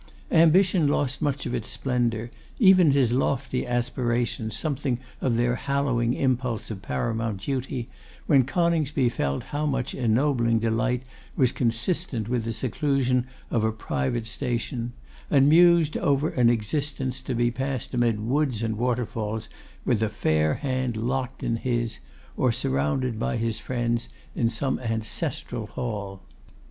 Ambition lost much of its splendour, even his lofty aspirations something of their hallowing impulse of paramount duty, when Coningsby felt how much ennobling delight was consistent with the seclusion of a private station; and mused over an existence to be passed amid woods and waterfalls with a fair hand locked in his, or surrounded by his friends in some ancestral hall.